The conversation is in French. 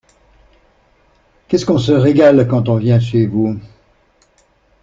Qu’est-ce qu’on se régale quand on vient chez vous!